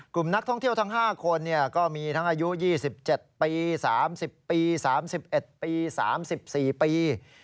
กลุ่มนักท่องเที่ยวทั้ง๕คนก็มีทั้งอายุ๒๗ปี๓๐ปี๓๑ปี๓๔ปี